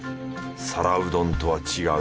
皿うどんとは違う